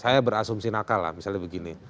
saya berasumsi nakal lah misalnya begini